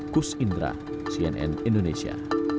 kus indra cnn indonesia